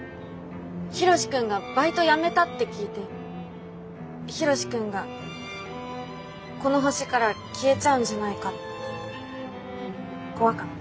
ヒロシ君がバイト辞めたって聞いてヒロシ君がこの星から消えちゃうんじゃないかって怖かった。